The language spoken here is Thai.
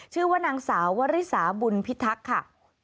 ชื่อว่านางสาววริสาบุญพิทักษ์ค่ะ